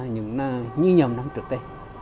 như nhầm năm trước đây